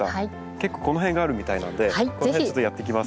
結構この辺があるみたいなんでこの辺ちょっとやっていきます。